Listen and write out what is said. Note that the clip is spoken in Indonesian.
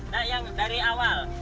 nah yang dari awal